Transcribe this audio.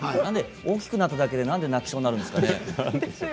大きくなっただけでなんで泣きそうになるんですかね。